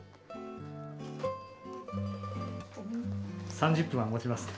３０分はもちますね。